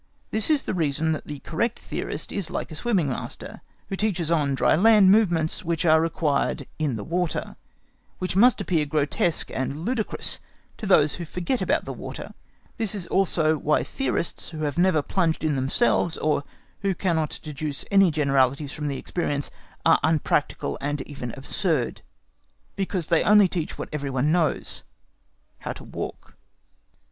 This is the reason that the correct theorist is like a swimming master, who teaches on dry land movements which are required in the water, which must appear grotesque and ludicrous to those who forget about the water. This is also why theorists, who have never plunged in themselves, or who cannot deduce any generalities from their experience, are unpractical and even absurd, because they only teach what every one knows—how to walk.